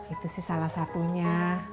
itu sih salah satunya